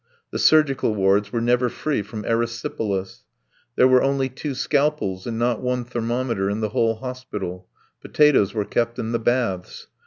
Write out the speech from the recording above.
The surgical wards were never free from erysipelas. There were only two scalpels and not one thermometer in the whole hospital; potatoes were kept in the baths.